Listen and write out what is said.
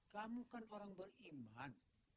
kamu kan orang beriman